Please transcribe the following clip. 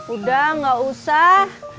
udah gak usah